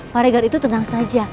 pak regar itu tenang saja